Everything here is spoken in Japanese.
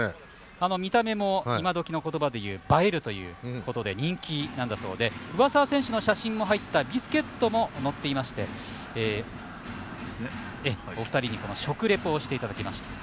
見た目も今どきの言葉でいうと映えるということで人気なんだそうで上沢選手の写真のビスケットものっていましてお二人に食リポをしていただきました。